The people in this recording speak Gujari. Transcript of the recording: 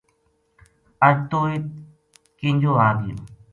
اج توہ اِت کینجو آ گیو